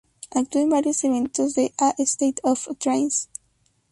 Actuó en varios eventos de "A State of Trance".